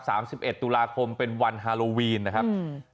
สิบเอ็ดตุลาคมเป็นวันฮาโลวีนนะครับอืม